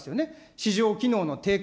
市場機能の低下。